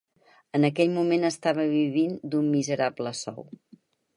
En aquell moment estava vivint d'un miserable sou.